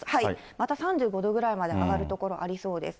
また３５度ぐらいまで上がる所ありそうです。